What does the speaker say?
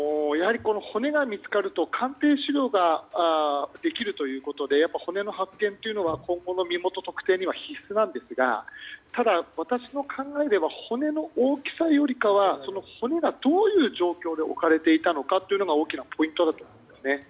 骨が見つかると鑑定資料ができるということで骨の発見というのは今後の身元特定には必須なんですが私の考えでは骨の大きさよりは骨がどういう状況で置かれていたのかが大きなポイントだと思うんです。